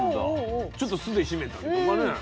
ちょっと酢で締めたりとかね。